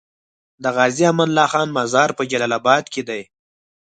د غازي امان الله خان مزار په جلال اباد کی دی